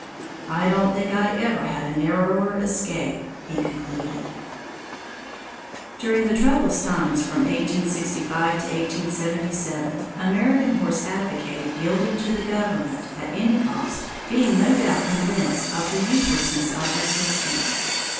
I don't think I ever had a narrower escape," he concluded. During the troublous times from 1865 to 1877, American Horse advocated yielding to the government at any cost, being no doubt convinced of the uselessness of resistance.